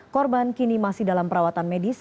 korban kini masih dalam perawatan medis